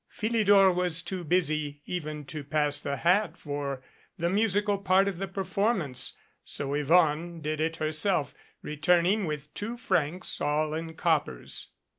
Philidor was too busy even to pass the hat for the musical part of the per formance, so Yvonne did it herself, returning with two francs, all in coppers.